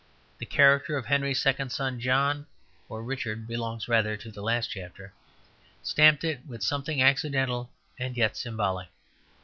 The character of Henry's second son John (for Richard belongs rather to the last chapter) stamped it with something accidental and yet symbolic.